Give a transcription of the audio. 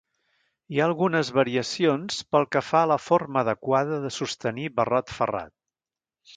Hi ha algunes variacions pel que fa a la forma adequada de sostenir barrot ferrat.